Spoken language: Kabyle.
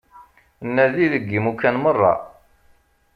Nadi deg imukan meṛṛa.